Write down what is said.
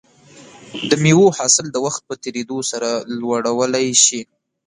د مېوو حاصل د وخت په تېریدو سره لوړولی شي.